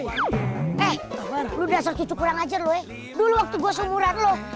eh lu dasar cucu kurang ajar lo eh dulu waktu gua seumuran loh